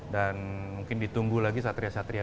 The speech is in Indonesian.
dan mungkin ditunggu lagi satria satria